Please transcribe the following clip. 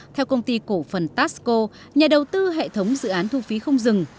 theo công ty cổ phần tasco nhà đầu tư hệ thống dự án thu phí không dừng